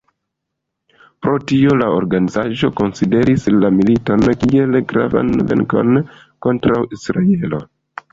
Pro tio, la organizaĵo konsideris la militon kiel gravan venkon kontraŭ Israelo.